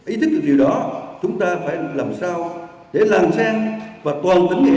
ý thích được điều đó chúng ta phải làm sao để làng sen và phát triển cho doanh nghiệp